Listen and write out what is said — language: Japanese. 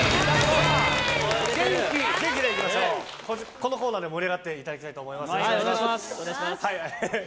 このコーナーでも盛り上がっていただきたいと思います。